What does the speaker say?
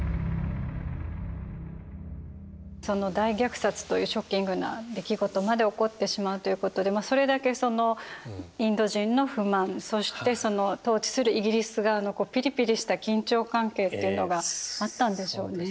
その大虐殺というショッキングな出来事まで起こってしまうということでそれだけそのインド人の不満そしてその統治するイギリス側のピリピリした緊張関係っていうのがあったんでしょうね。